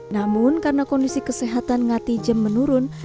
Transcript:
namun karena kondisi kesehatan ngati jem menurun